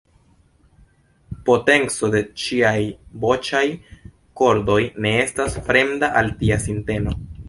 Potenco de ŝiaj voĉaj kordoj ne estas fremda al tia sinteno.